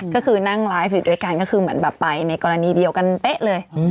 ก็คือนั่งไลฟ์อยู่ด้วยกันก็คือเหมือนแบบไปในกรณีเดียวกันเป๊ะเลย